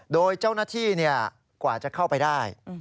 โดยเจ้าหน้าที่กว่าจะเข้าไปได้